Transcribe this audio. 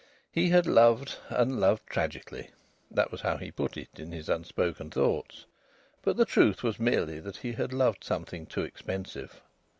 He had loved, and loved tragically. (That was how he put it in his unspoken thoughts; but the truth was merely that he had loved something too expensive.)